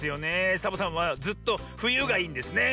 サボさんはずっとふゆがいいんですねえ。